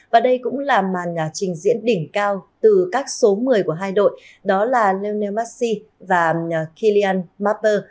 và đây cũng là màn trình diễn đỉnh cao từ các số một mươi của hai đội đó là lionel messi và kylian mbappé